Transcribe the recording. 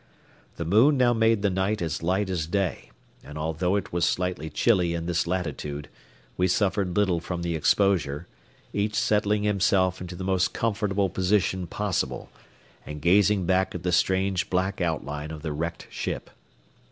The moon now made the night as light as day, and although it was slightly chilly in this latitude, we suffered little from the exposure, each settling himself into the most comfortable position possible, and gazing back at the strange black outline of the wrecked ship.